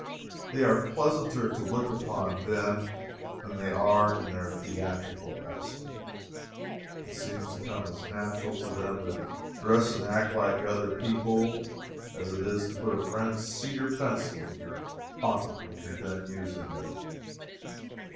They are pleasanter to look upon then than they are in their theatrical aspect. It seems to come as natural to them to dress and act like other people as it is to put a friend's cedar pencil in your pocket when you are done using it.